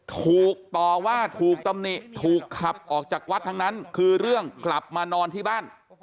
ถูกต่อว่าถูกตำหนิถูกขับออกจากวัดทั้งนั้นคือเรื่องกลับมานอนที่บ้าน